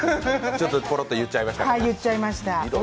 言っちゃいました。